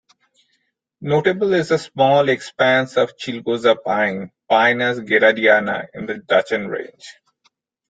Notable is the small expanse of chilgoza pine "Pinus geradiana" in the Dachan Range.